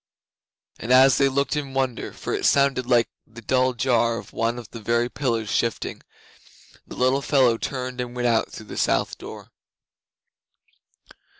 As they looked in wonder, for it sounded like the dull jar of one of the very pillars shifting, the little fellow turned and went out through the south door.